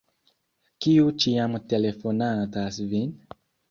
Kiu ĉiam telefonadas vin?